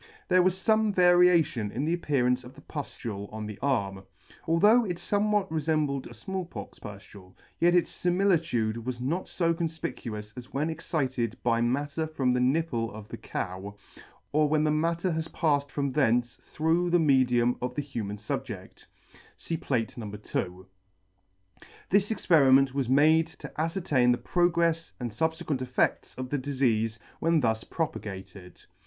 There was fome variation in the appearance of the puflule on the arm. Although it fomewhat refembled a Small pox puflule, yet its fimilitude was not fo confpicuous as when excited by matter from the nipple of the cow, or when the matter has palled from thence through the medium of the human fubjeCt. (See Plate, No. 2 .) This experiment was made to afcertain the progrefs and fub fequent effects of the difeafe when thus propagated.